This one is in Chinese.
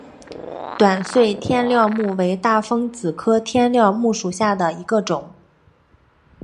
短穗天料木为大风子科天料木属下的一个种。